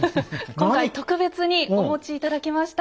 今回特別にお持ち頂きました。